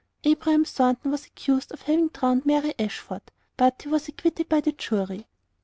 Abraham Thornton was accused of having drowned Mary Ashford, but he was acquitted by the jury.